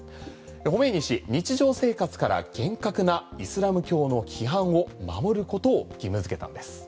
ホメイニ師、日常生活から厳格なイスラム教の規範を守ることを義務付けたんです。